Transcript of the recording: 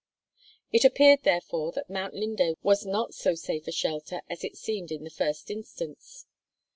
It appeared, therefore, that Mount Linde was not so safe a shelter as it seemed in the first instance.